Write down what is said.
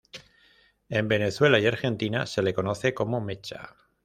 En Venezuela y Argentina se le conoce como "mecha".